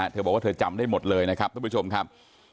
เธอบอกว่าเธอจำได้หมดเลยนะครับทุกผู้ชมครับ